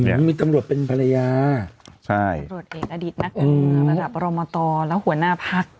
มันมีตำรวจเป็นภรรยาใช่ตำรวจเอกอดิตนักการเมืองระดับรมตรและหัวหน้าพัก